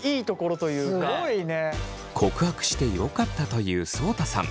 告白してよかったと言うそうたさん。